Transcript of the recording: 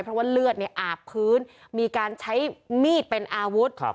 เพราะว่าเลือดอาบพื้นมีการใช้มีดเป็นอาวุธ